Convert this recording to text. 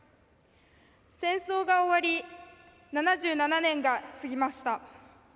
戦争が終わり７７年が過ぎました。